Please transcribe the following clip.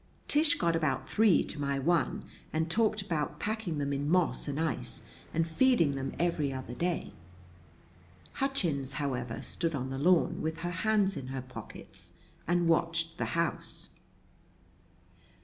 Tish got about three to my one, and talked about packing them in moss and ice, and feeding them every other day. Hutchins, however, stood on the lawn, with her hands in her pockets, and watched the house.